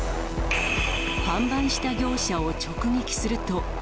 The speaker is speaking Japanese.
販売した業者を直撃すると。